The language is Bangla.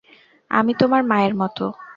আমি তোমার মায়ের মত।